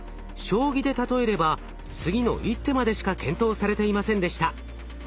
将棋で例えれば次の一手までしか検討されていませんでした。